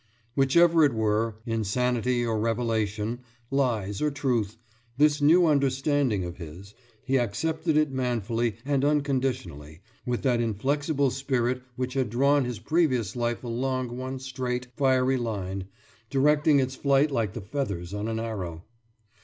Whichever it were insanity or revelation, lies or truth, this new understanding of his he accepted it manfully and unconditionally, with that inflexible spirit which had drawn his previous life along one straight, fiery line, directing its flight like the feathers on an arrow.